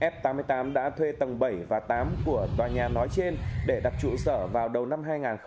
f tám mươi tám đã thuê tầng bảy và tám của tòa nhà nói trên để đặt trụ sở vào đầu năm hai nghìn hai mươi